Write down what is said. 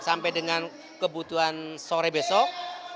sampai dengan kebutuhan sore besok